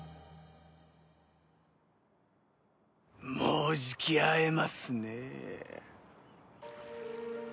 もうじき会えますねえ。